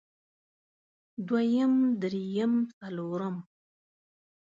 دويم درېيم څلورم